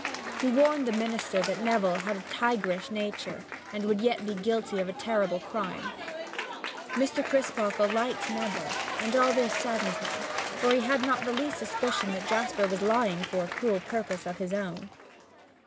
He warned the minister that Neville had a tigerish nature and would yet be guilty of terrible crime. Mr. Crisparkle liked Neville, and all this saddened him, for he had not the least suspicion that Jasper was lying for a cruel purpose of his own.